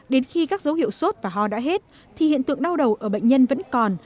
đến khi các dấu hiệu sốt và ho đã hết thì hiện tượng đau đầu ở bệnh nhân vẫn còn